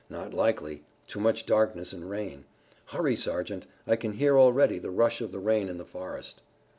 "Not likely. Too much darkness and rain. Hurry, Sergeant, I can hear already the rush of the rain in the forest."